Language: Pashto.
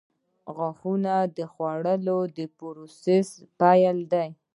• غاښونه د خوړلو د پروسې پیل دی.